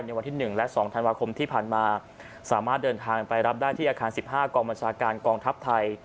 ในวันที่๑และ๒ธันวาคมที่ผ่านมาสามารถเดินทางไปรับได้ที่อาคาร๑๕กมกทัพไทย